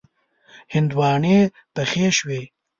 هندواڼی پخې شوې.